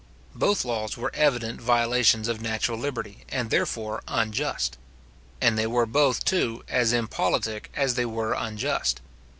Both laws were evident violations of natural liberty, and therefore unjust; and they were both, too, as impolitic as they were unjust.